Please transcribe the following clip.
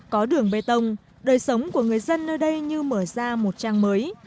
có đường bê tông đời sống của người dân nơi đây như mở ra một trang mới